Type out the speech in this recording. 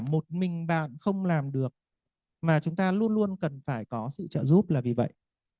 một mình bạn không làm được mà chúng ta luôn luôn cần phải có sự trợ giúp là vì vậy